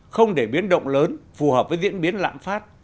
không để biến động lớn phù hợp với diễn biến lạm phát